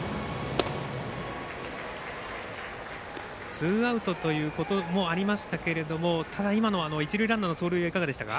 ツーアウトということもありましたがただ、今のは一塁ランナーの走塁はいかがでしたか。